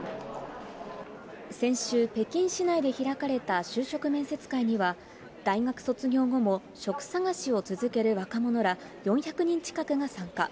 先週北京市内で開かれた就職面接会には、大学卒業後も、職探しを続ける若者ら４００人近くが参加。